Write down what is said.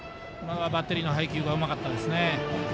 バッテリーの配球がうまかったですね。